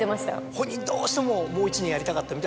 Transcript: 本人どうしてももう１年やりたかったみたいですよ。